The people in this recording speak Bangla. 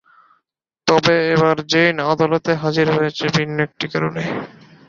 তবে এবার জেইন আদালতে হাজির হয়েছে ভিন্ন একটি কারণে।